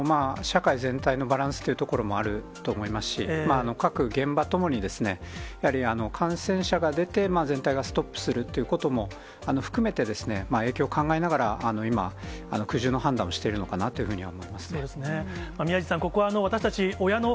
社会全体のバランスというところもあると思いますし、各現場ともにですね、やはり感染者が出て、全体がストップするということも含めてですね、影響考えながら、今、苦渋の判断をしているのかなというふうには思いますね。